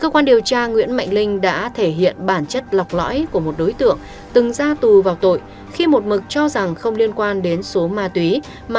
lực lượng truy bắt đã phát hiện dấu vết của một hộ dân tại thôn một xã hàn lâm